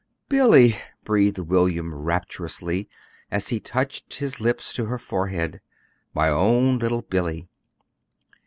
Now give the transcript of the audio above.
"Billy!" breathed William rapturously, as he touched his lips to her forehead. "My own little Billy!"